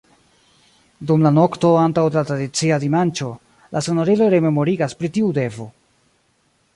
Dum la nokto antaŭ la tradicia dimanĉo, la sonoriloj rememorigas pri tiu devo.